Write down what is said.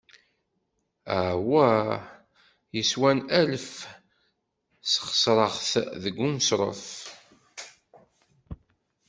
Awal yeswan alef, sexseṛeɣ-t deg umṣeṛṛef.